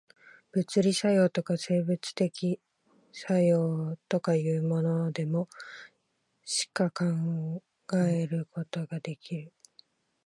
物理作用とか、生物的作用とかいうものでも、しか考えることができる。